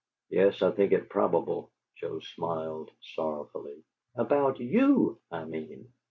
"Yes, I think it probable," Joe smiled sorrowfully. "About YOU, I mean."